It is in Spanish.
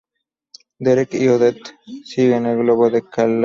Derek y Odette siguen el globo de Clavius.